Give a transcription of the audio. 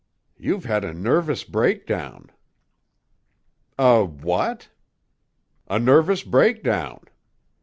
"You've had a nervous breakdown." "A what?" "A nervous breakdown."